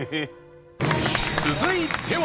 続いては。